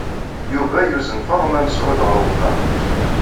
Yuba yuzen Faḍma Mesɛud ɣer wexxam.